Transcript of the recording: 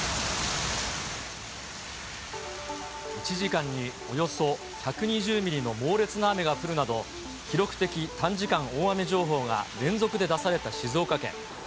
１時間におよそ１２０ミリの猛烈な雨が降るなど、記録的短時間大雨情報が連続で出された静岡県。